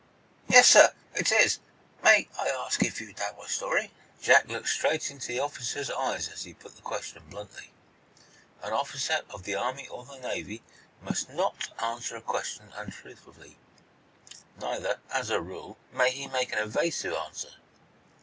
"Yes, sir, it is. May I ask if you doubt my story?" Jack looked straight into the officer's eyes as he put the question bluntly. An officer of the Army or of the Navy must not answer a question untruthfully. Neither, as a rule, may he make an evasive answer.